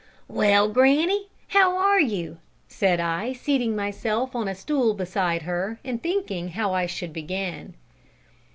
"Well, granny, how are you?" said I, seating myself on a stool beside her, and thinking how I should begin.